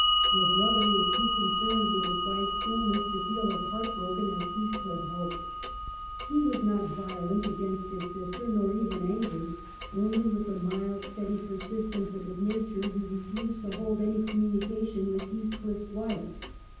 Her brother was too concerned with his wife's illness to feel as heart broken as Heath cliff hoped. He was not violent against his sis ter, nor even angry ; only, with the mild, steady persistence of his nature, he refused to hold 17 258 EMILY BRONTE. any communication with HeathclifFs wife.